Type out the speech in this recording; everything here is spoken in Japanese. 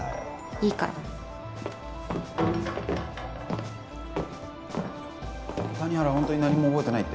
いいから谷原ホントに何も覚えてないって？